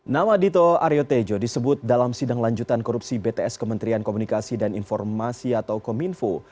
nama dito aryo tejo disebut dalam sidang lanjutan korupsi bts kementerian komunikasi dan informasi atau kominfo